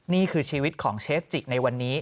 นี่คือชีวิตของเชฟจิในวันนี้